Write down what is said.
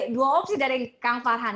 dua opsi dari kang farhan